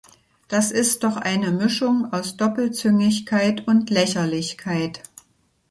Das ist doch eine Mischung aus Doppelzüngigkeit und Lächerlichkeit.